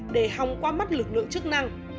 để hòng qua mắt lực lượng chức năng